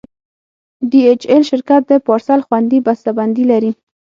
ډي ایچ ایل شرکت د پارسل خوندي بسته بندي لري.